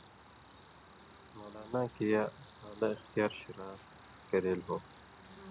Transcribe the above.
مُولان٘لاں کِریا اَقالہ اِختیار شرط کریل ہو۔